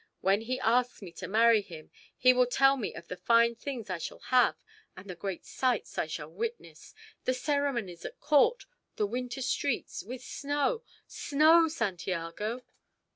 When he asks me to marry him he will tell me of the fine things I shall have and the great sights I shall witness the ceremonies at court, the winter streets with snow snow, Santiago!